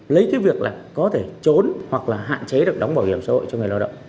lấy cái việc là có thể trốn hoặc là hạn chế được đóng bảo hiểm xã hội cho người lao động